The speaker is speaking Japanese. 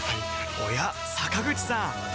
おや坂口さん